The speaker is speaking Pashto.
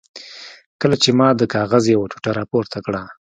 کله چې ما د کاغذ یوه ټوټه را پورته کړه.